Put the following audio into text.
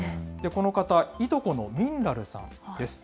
この方、いとこのミンラルさんです。